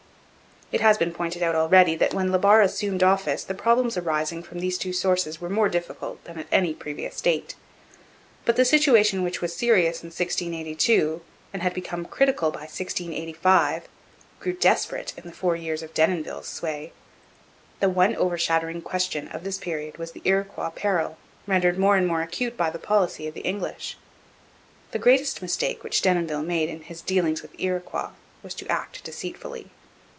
It has been pointed out already that when La Barre assumed office the problems arising from these two sources were more difficult than at any previous date; but the situation which was serious in 1682 and had become critical by 1685 grew desperate in the four years of Denonville's sway. The one overshadowing question of this period was the Iroquois peril, rendered more and more acute by the policy of the English. The greatest mistake which Denonville made in his dealings with the Iroquois was to act deceitfully.